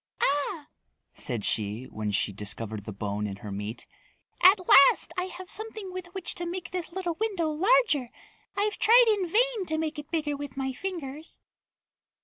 "Ah," said she when she discovered the bone in her meat. "At last I have something with which to make this little window larger. I've tried in vain to make it bigger with my fingers."